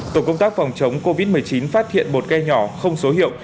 tổ công tác phòng chống covid một mươi chín phát hiện một ghe nhỏ không số hiệu